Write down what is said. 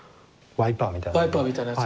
ワイパーみたいなやつ。